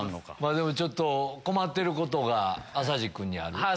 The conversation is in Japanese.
でもちょっと困ってることが朝地君にある？